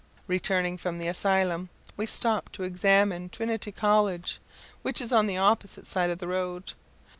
Returning from the asylum, we stopped to examine Trinity College, which is on the opposite side of the road.